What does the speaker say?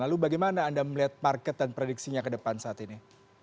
lalu bagaimana anda melihat market dan prediksinya ke depan saat ini